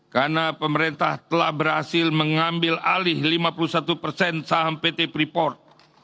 karena pemerintah telah berhasil mengambil alih lima puluh satu persen saham pt priport